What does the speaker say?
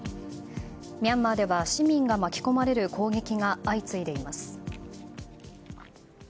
ミャンマーでは市民が巻き込まれる攻撃が相次いでいます。